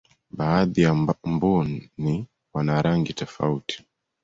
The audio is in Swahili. baadhi ya mbuni wana rangi tofauti